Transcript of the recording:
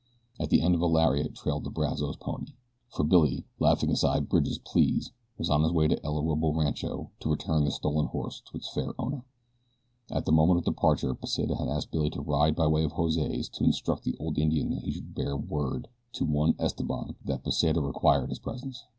At the end of a lariat trailed the Brazos pony, for Billy, laughing aside Bridge's pleas, was on his way to El Orobo Rancho to return the stolen horse to its fair owner. At the moment of departure Pesita had asked Billy to ride by way of Jose's to instruct the old Indian that he should bear word to one Esteban that Pesita required his presence.